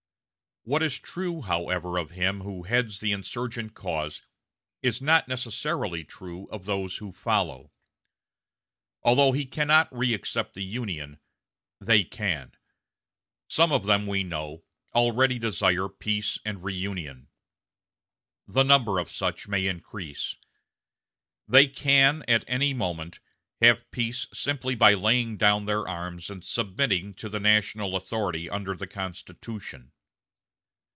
What is true, however, of him who heads the insurgent cause is not necessarily true of those who follow. Although he cannot reaccept the Union, they can. Some of them, we know, already desire peace and reunion. The number of such may increase. They can, at any moment, have peace simply by laying down their arms and submitting to the national authority under the Constitution.